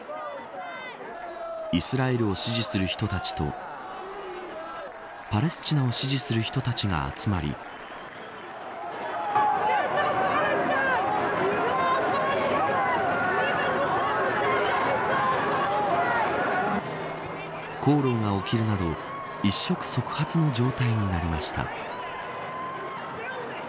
イスラエルを支持する人たちとパレスチナを支持する人たちが集まり口論が起きるなど一触即発の状態になりました。